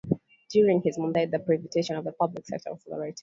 During his mandate the privatisation of the public sector accelerated.